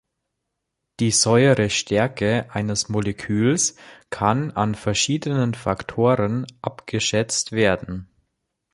Die Säurestärke eines Moleküls kann an verschiedenen Faktoren abgeschätzt werden.